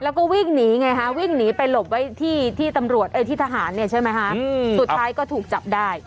แล้วก็วิ่งหนีไงฮะวิ่งหนีไปหลบไว้ที่ตำรวจที่ทหารเนี่ยใช่ไหมคะสุดท้ายก็ถูกจับได้